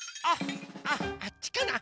あっあっちかな。